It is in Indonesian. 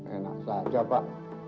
enak saja pak